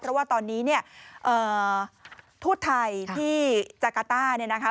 เพราะว่าตอนนี้ทูตไทยที่จักราต้า